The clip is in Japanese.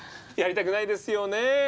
やりたくないですよね。